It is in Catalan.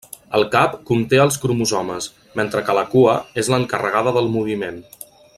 El cap conté els cromosomes, mentre que la cua és l'encarregada del moviment.